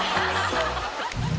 「ハハハハ！」